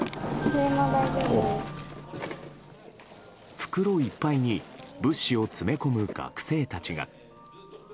袋いっぱいに物資を詰め込む学生たちが。